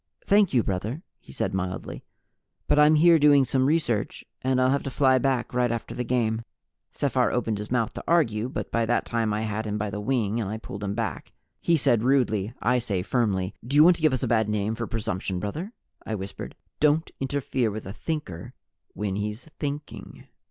"Thank you, brother," he said mildly, "but I'm here doing some research and I'll have to fly back right after the game." Sephar opened his mouth to argue, but by that time I had him by the wing and I pulled him back he said rudely, I say firmly. "Do you want to give us a bad name for presumption, brother?" I whispered. "Don't interfere with a Thinker when he's Thinking!"